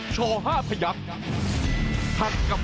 สวัสดีครับ